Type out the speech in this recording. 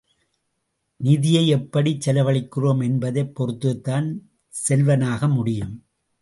நிதியை எப்படிச் செலவழிக்கிறோம் என்பதைப் பொறுத்துத்தான் செல்வனாக முடியும்.